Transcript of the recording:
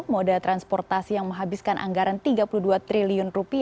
moda transportasi yang menghabiskan anggaran rp tiga puluh dua triliun